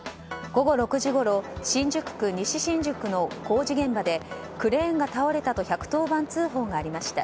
午後６時ごろ新宿区西新宿の工事現場でクレーンが倒れたと１１０番通報がありました。